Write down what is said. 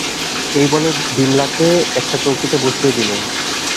এই বলে বিমলাকে একটা চৌকিতে বসিয়ে দিলুম।